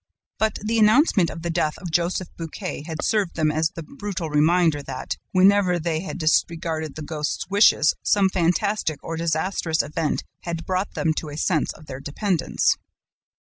But the announcement of the death of Joseph Buquet had served them as a brutal reminder that, whenever they had disregarded the ghost's wishes, some fantastic or disastrous event had brought them to a sense of their dependence.